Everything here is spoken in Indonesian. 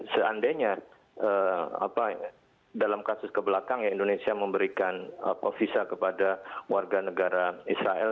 seandainya dalam kasus kebelakang ya indonesia memberikan visa kepada warga negara israel